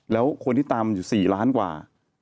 แล้วคนที่ตามอยู่๔ล้านกว่า